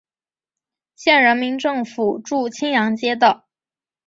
县人民政府驻青阳街道。